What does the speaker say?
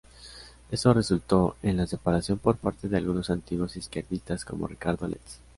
Esto resultó en la separación por parte de algunos antiguos izquierdistas, como Ricardo Letts.